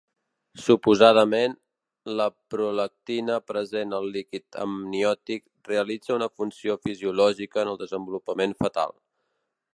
Suposadament, la prolactina present al líquid amniòtic realitza una funció fisiològica en el desenvolupament fetal.